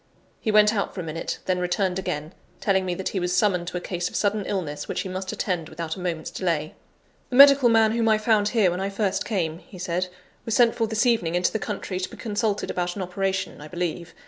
He went out for a minute, then returned again, telling me that he was summoned to a case of sudden illness which he must attend without a moment's delay. "The medical man whom I found here when I first came," he said, "was sent for this evening into the country, to be consulted about an operation, I believe.